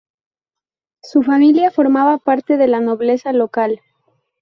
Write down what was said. Su familia formaba parte de la nobleza local.